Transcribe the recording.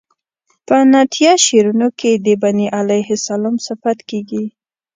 په نعتیه شعرونو کې د بني علیه السلام صفت کیږي.